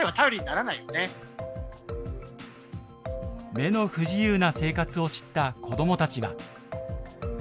目の不自由な生活を知った子どもたちは。